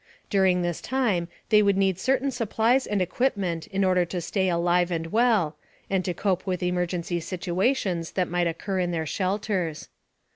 During this time they would need certain supplies and equipment in order to stay alive and well, and to cope with emergency situations that might occur in their shelters.